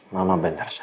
mama benar sa